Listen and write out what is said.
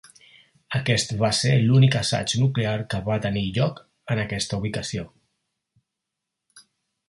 Aquest va ser l'únic assaig nuclear que va tenir lloc en aquesta ubicació.